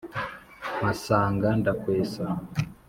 mpasanga ndakwesa.